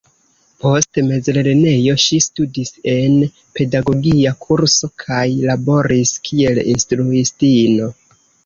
Post mezlernejo ŝi studis en pedagogia kurso kaj laboris kiel instruistino.